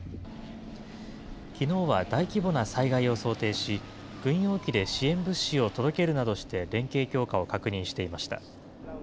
きのうは大規模な災害を想定し、軍用機で支援物資を届けるなどして、連携強化を確認していました。